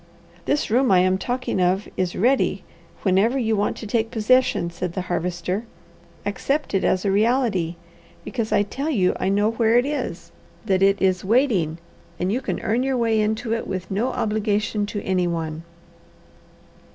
"This room I am talking of is ready whenever you want to take possession," said the Harvester. "Accept it as a reality, because I tell you I know where it is, that it is waiting, and you can earn your way into it with no obligation to any one."